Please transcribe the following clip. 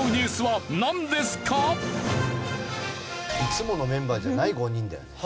いつものメンバーじゃない５人だよ。